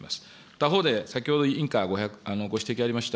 他方で、先ほど委員からご指摘がありました